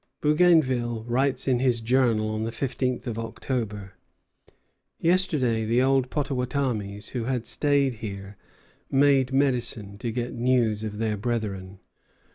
Bougainville writes in his Journal on the fifteenth of October: "Yesterday the old Pottawattamies who have stayed here 'made medicine' to get news of their brethren.